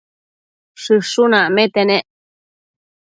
Shëshun acmete nec